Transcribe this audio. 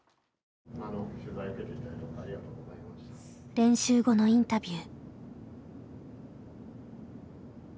練習後のインタビュー。